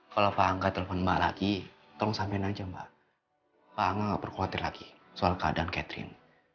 kok mama bisa nemenin dedek keisha main